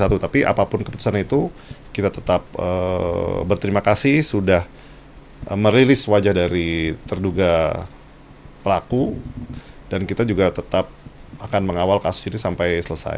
tapi apapun keputusan itu kita tetap berterima kasih sudah merilis wajah dari terduga pelaku dan kita juga tetap akan mengawal kasus ini sampai selesai